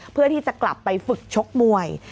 เพื่อที่จะกลับไปฝึกชกมวย